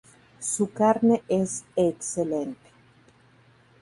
Su carne es excelente.